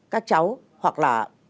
các cháu hoặc là